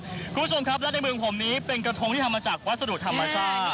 คุณผู้ชมครับและในเมืองผมนี้เป็นกระทงที่ทำมาจากวัสดุธรรมชาติ